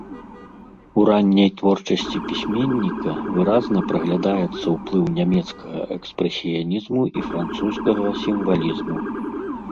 У ранняй творчасці пісьменніка выразна праглядаецца ўплыў нямецкага экспрэсіянізму і французскага сімвалізму.